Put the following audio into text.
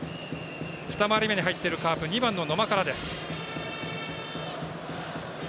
２回り目に入っているカープ２番の野間からです。